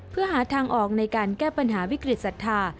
เพื่อหาทางออกในการแก้ปัญหาวิกฤตศรัทธา